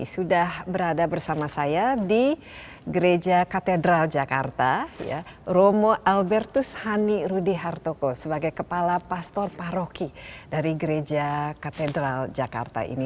sudah berada bersama saya di gereja katedral jakarta romo albertus hani rudy hartoko sebagai kepala pastor paroki dari gereja katedral jakarta ini